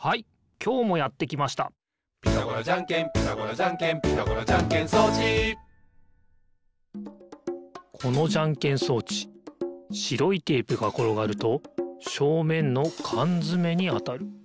きょうもやってきました「ピタゴラじゃんけんピタゴラじゃんけん」「ピタゴラじゃんけん装置」このじゃんけん装置しろいテープがころがるとしょうめんのかんづめにあたる。